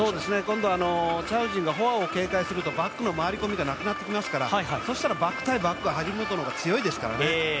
今度はチャン・ウジンがフォアを警戒するとバックの回り込みがなくなってきますから、そしたらバック対バックは張本の方が強いですからね。